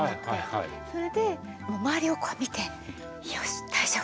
それで周りを見てよし大丈夫！